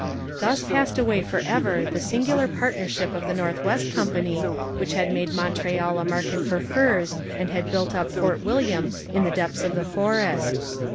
Thus passed away for ever the singular partnership of the North West Company which had made Montreal a market for furs and had built up Fort William in the depths of the forest.